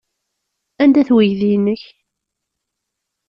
Anda-t weydi-nnek?